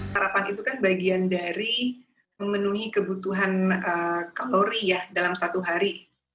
sarapan itu kan bagian dari memenuhi kebutuhan kalori ya dalam satu hari